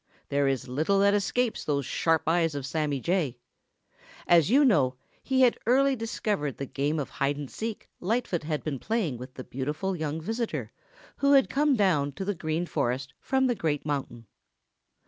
There is little that escapes those sharp eyes of Sammy Jay. As you know, he had early discovered the game of hide and seek Lightfoot had been playing with the beautiful young visitor who had come down to the Green Forest from the Great Mountain.